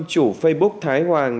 chủ facebook thái hoàng